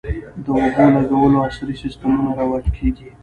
د اوبولګولو عصري سیستمونه رواج کیږي